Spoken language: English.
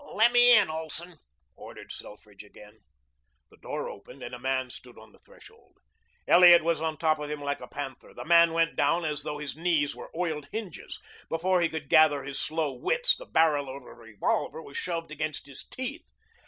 "Let me in, Olson," ordered Selfridge again. The door opened, and a man stood on the threshold. Elliot was on top of him like a panther. The man went down as though his knees were oiled hinges. Before he could gather his slow wits, the barrel of a revolver was shoved against his teeth.